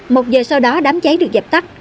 một giờ sau đó đám cháy được dập tắt